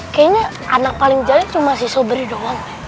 kayaknya anak paling jahit cuma si sobri doang